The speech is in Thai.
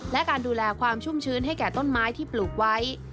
และการดูแลความชุ่มชื้นให้แก่ต้นไม้ที่ปลูกไว้